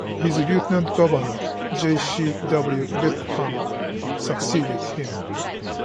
His lieutenant governor, J. C. W. Beckham, succeeded him.